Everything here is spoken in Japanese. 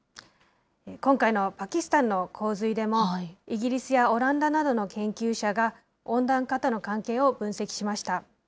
今回のパキスタンの洪水でも、イギリスやオランダなどの研究者が、温暖化との関係を分析しました。